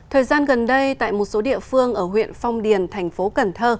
thời gian gần đây tại một số địa phương ở huyện phong điền thành phố cần thơ